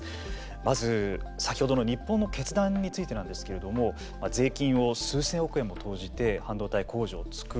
まず先ほどの日本の決断についてなんですけれども税金を数千億円も投じて半導体工場をつくると。